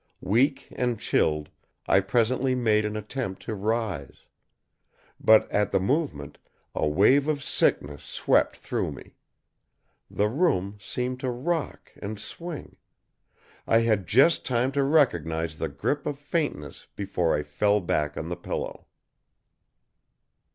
Weak and chilled, I presently made an attempt to rise. But at the movement, a wave of sickness swept through me. The room seemed to rock and swing. I had just time to recognize the grip of faintness before I fell back on the pillow.